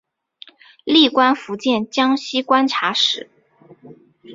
历官福建江西观察使。